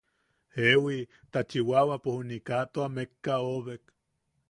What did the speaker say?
–Jeewi, ta Chiwawapo juni kaa tua mekka oʼobek.